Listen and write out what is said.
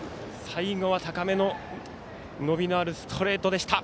最後は高めの伸びのあるストレートでした。